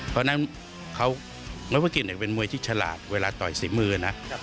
เพราะฉะนั้นเขานพกิจเป็นมวยที่ฉลาดเวลาต่อยฝีมือนะ